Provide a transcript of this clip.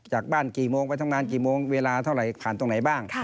จากบ้านกี่โมงไปทำงานกี่โมงเวลาเท่าไหร่ผ่านตรงไหนบ้าง